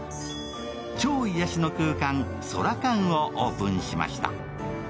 超癒やしの空間、宙館をオープンしました。